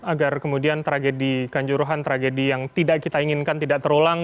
agar kemudian tragedi kanjuruhan tragedi yang tidak kita inginkan tidak terulang